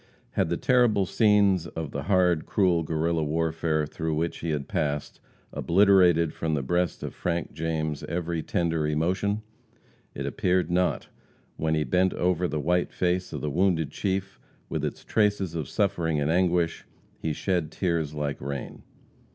Had the terrible scenes of the hard, cruel Guerrilla warfare through which he had passed, obliterated from the breast of Frank James every tender emotion? It appeared not, when he bent over the white face of the wounded chief with its traces of suffering and anguish. He shed tears like rain.